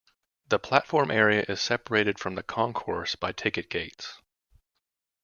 The platform area is separated from the concourse by ticket gates.